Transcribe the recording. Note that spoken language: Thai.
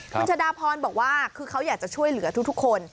คุณชะดาพรบอกว่าคือเขาอยากจะช่วยเหลือทุกคน